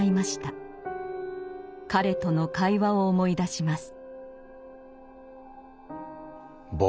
彼との会話を思い出します。